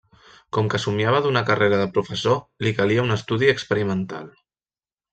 Com que somiava d'una carrera de professor, li calia un estudi experimental.